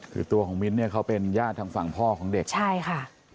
คือตัวของมิ้นเนี่ยเขาเป็นญาติทางฝั่งพ่อของเด็กใช่ค่ะ